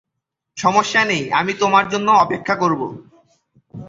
সমস্যা নেই, আমি তোমার জন্য অপেক্ষা করব।